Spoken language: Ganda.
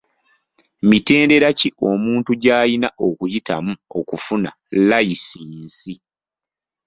Mitendera ki omuntu gy'ayina okuyitamu okufuna layisinsi.